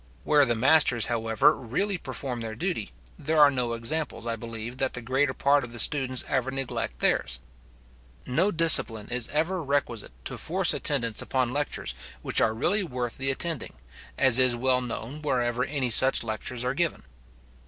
Where the masters, however, really perform their duty, there are no examples, I believe, that the greater part of the students ever neglect theirs. No discipline is ever requisite to force attendance upon lectures which are really worth the attending, as is well known wherever any such lectures are given.